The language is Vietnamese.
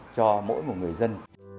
cho mỗi một người dân